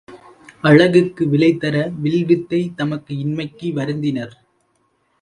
அழகுக்கு விலைதர வில் வித்தை தமக்கு இன்மைக்கு வருந்தினர்.